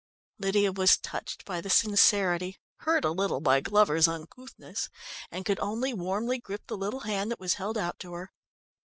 Lydia was touched by the sincerity, hurt a little by Glover's uncouthness, and could only warmly grip the little hand that was held out to her.